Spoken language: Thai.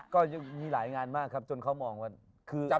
ก็ยังมีหลายงานมากครับจนเขามองว่า